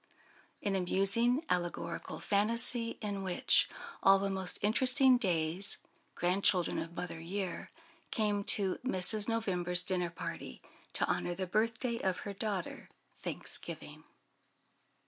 An amusing allegorical fantasy. All the most interesting Days, grandchildren of Mother Year, came to Mrs. November's dinner party, to honour the birthday of her daughter, Thanksgiving.